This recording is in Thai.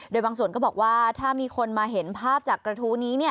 โดยบางส่วนก็บอกว่าถ้ามีคนมาเห็นภาพจากกระทู้นี้